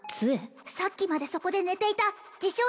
さっきまでそこで寝ていた自称